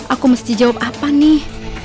aku mesti jawab apa nih